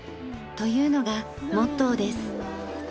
というのがモットーです。